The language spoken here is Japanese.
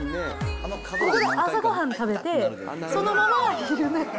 ここで朝ごはん食べて、そのまま昼寝。